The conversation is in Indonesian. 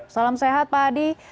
salam sehat pak adi